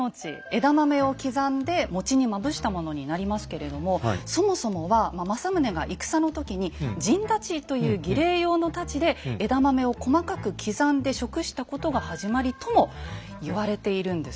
枝豆を刻んで餅にまぶしたものになりますけれどもそもそもは政宗が戦のときに「陣太刀」という儀礼用の太刀で枝豆を細かく刻んで食したことが始まりとも言われているんです。